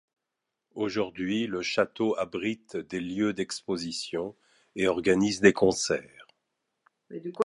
Aujourd'hui le château abrite des lieux d'exposition et organise des concerts.